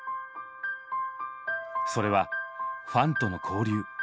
それはファンとの交流。